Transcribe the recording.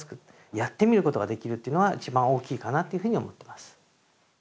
やってみることができるというのは一番大きいかなっていうふうに思ってます。